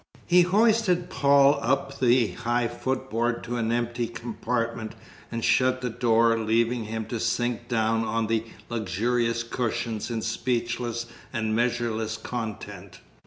He hoisted Paul up the high footboard to an empty compartment, and shut the door, leaving him to sink down on the luxurious cushions in speechless and measureless content.